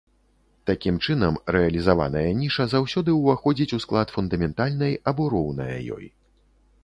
Такім чынам, рэалізаваная ніша заўсёды ўваходзіць у склад фундаментальнай або роўная ёй.